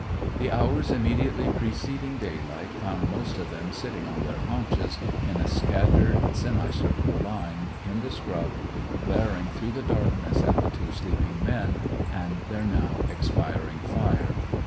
The hours immediately preceding daylight found most of them sitting on their haunches, in a scattered semicircular line, in the scrub, glaring through the darkness at the two sleeping men, and their now expiring fire.